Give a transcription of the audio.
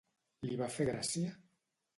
Li va fer gràcia?